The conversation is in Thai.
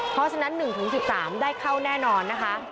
เพราะฉะนั้น๑๑๓ได้เข้าแน่นอนนะคะ